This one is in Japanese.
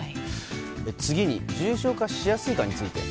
次に重症化しやすいかについて。